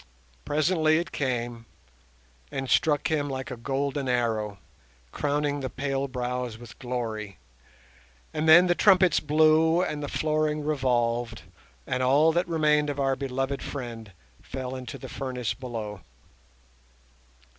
Presently it came, and struck him like a golden arrow, crowning the pale brows with glory, and then the trumpets blew, and the flooring revolved, and all that remained of our beloved friend fell into the furnace below.